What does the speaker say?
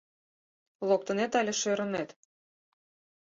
Локтынет але шӧрынет?